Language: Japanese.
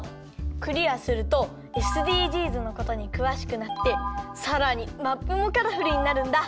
クリアするとＳＤＧｓのことにくわしくなってさらにマップもカラフルになるんだ。